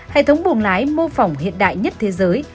hệ thống buồng lái mô phỏng hiện đại nhất thế giới